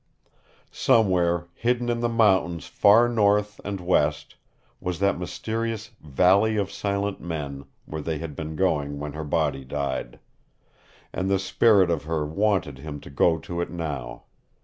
Somewhere, hidden in the mountains far north and west, was that mysterious Valley of Silent Men where they had been going when her body died. And the spirit of her wanted him to go to it now.